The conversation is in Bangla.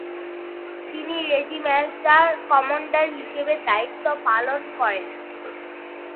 তিনি রেজিমেন্টাল কমান্ডার হিসেবে দায়িত্ব পালন করেন।